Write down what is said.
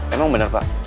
emang bener pak